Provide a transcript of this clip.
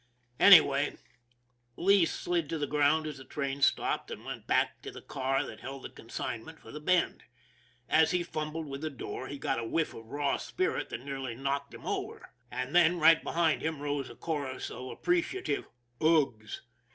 Anyway, Lee slid to the ground as the train stopped, and went back to the car that held the consignment for the Bend. As he fumbled with the door, he got a whiff of raw spirit that nearly knocked him over. And 242 ON THE IRON AT BIG CLOUD then, right behind him, rose a chorus of appreciative "ughs!"